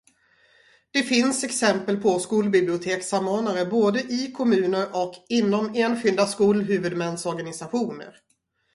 Det finns exempel på skolbibliotekssamordnare både i kommuner och inom enskilda skolhuvudmäns organisationer.